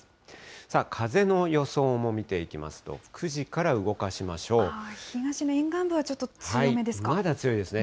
さあ、風の予想も見ていきますと、東の沿岸部はちょっと強めでまだ強いですね。